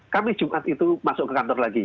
kami jumat itu masuk ke kantor lagi